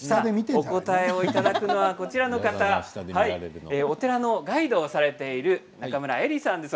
お答えいただくのは、こちらの方お寺のガイドをされている中村衣里さんです。